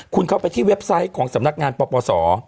คุณเข้าไปที่เว็บไซต์ของสำนักงานปปศ